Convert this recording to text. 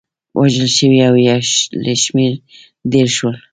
وژل شوي له شمېر ډېر شول.